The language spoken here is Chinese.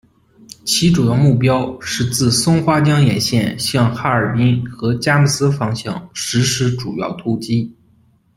其主要目标是自松花江沿线向哈尔滨和佳木斯方向实施主要突击。